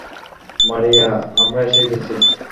মারিয়া, আমরা এসে গেছি।